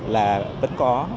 là vẫn có